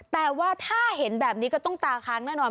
แต่ว่าถ้าเห็นแบบนี้ก็ต้องตาค้างแน่นอน